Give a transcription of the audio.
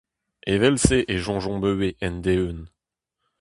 Evel-se e soñjomp ivez end-eeun.